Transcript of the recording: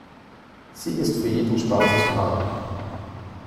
Sie ist für jeden Spaß zu haben.